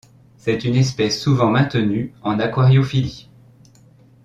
C'est une espèce souvent maintenue en aquariophilie.